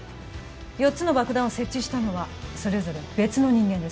４つの爆弾を設置したのはそれぞれ別の人間です